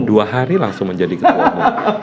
dua hari langsung menjadi ketua umum